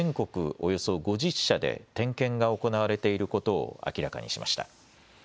およそ５０社で点検が行われていることを明らかにしました。